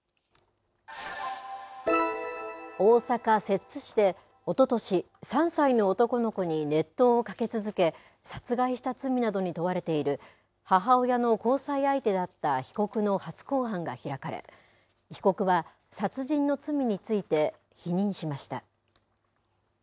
大阪、摂津市でおととし３歳の男の子に熱湯をかけ続け殺害した罪などに問われている母親の交際相手だった被告の初公判が開かれ被告は殺人の罪について否認しました。